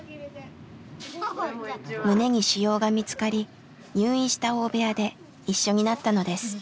胸に腫瘍が見つかり入院した大部屋で一緒になったのです。